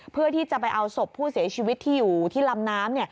เพื่อที่จะไปเอาศพผู้เสียชีวิตที่อยู่ที่ลำน้ำ